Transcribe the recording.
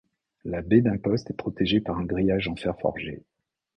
La baie d'imposte est protégée par un grillage en fer forgé.